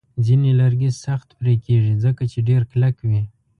ځینې لرګي سخت پرې کېږي، ځکه چې ډیر کلک وي.